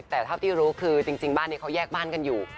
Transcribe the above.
แต่เท่าที่รู้คือจริงบ้านนี้เขาแยกบ้านกันอยู่